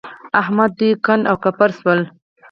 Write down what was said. احمد دوی کنډ او کپر شول.